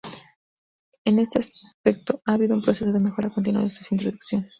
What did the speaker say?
En este aspecto ha habido un proceso de mejora continua desde su introducción.